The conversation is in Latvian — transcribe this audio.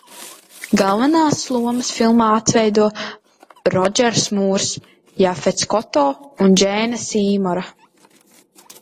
Galvenās lomas filmā atveido Rodžers Mūrs, Jafets Koto un Džeina Sīmora.